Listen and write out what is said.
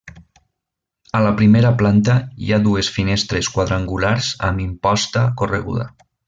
A la primera planta hi ha dues finestres quadrangulars amb imposta correguda.